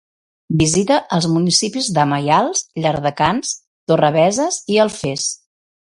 Visita als municipis de Maials, Llardecans, Torrebeses i Alfés.